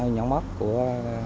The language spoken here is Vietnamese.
nhóm hót của